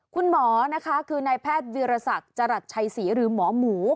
คุณหมอนะคะคือนายแพทย์วิรสักจรัสชัยศรีหรือหมอหมู